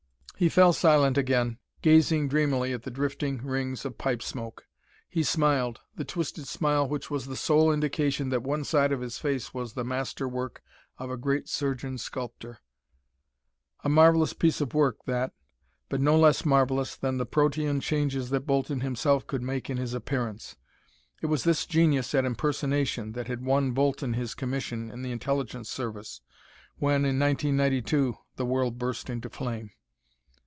He fell silent again, gazing dreamily at the drifting rings of pipe smoke. He smiled, the twisted smile which was the sole indication that one side of his face was the master work of a great surgeon sculptor. A marvelous piece of work, that, but no less marvelous than the protean changes that Bolton himself could make in his appearance. It was this genius at impersonation that had won Bolton his commission in the Intelligence Service, when, in 1992, the world burst into flame.